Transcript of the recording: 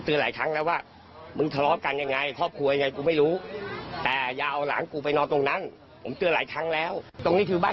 แต่วันนั้นน่ะสมควรไหมเอาลูกไปวางตรงนู้น